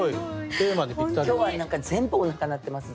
今日は全部おなか鳴ってます。